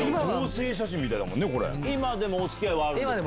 今でもお付き合いはあるんですか？